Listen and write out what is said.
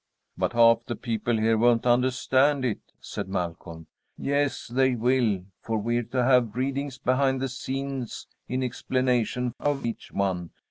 "But half the people here won't understand it," said Malcolm. "Yes, they will, for we're to have readings behind the scenes in explanation of each one.